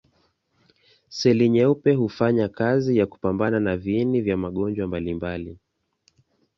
Seli nyeupe hufanya kazi ya kupambana na viini vya magonjwa mbalimbali.